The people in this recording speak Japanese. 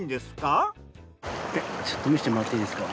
えっちょっと見せてもらっていいですか？